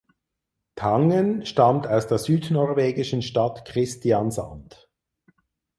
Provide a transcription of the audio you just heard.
Tangen stammt aus der südnorwegischen Stadt Kristiansand.